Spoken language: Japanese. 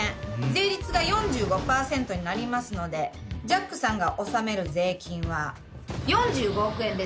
税率が４５％になりますのでジャックさんが納める税金は４５億円です。